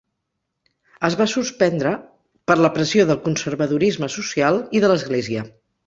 Es va suspendre per la pressió del conservadorisme social i de l'església.